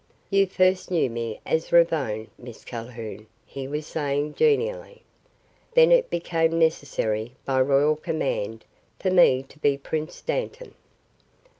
"You first knew me as Ravone, Miss Calhoun," he was saying genially. "Then it became necessary, by royal command, for me to be Prince Dantan.